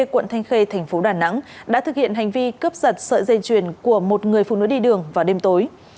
quận thanh khê thành phố đà nẵng đã thực hiện hành vi cướp giật sợi dây chuyền của một người phụ nữ đi đường vào đêm tối